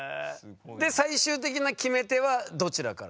で最終的な決め手はどちらからですか？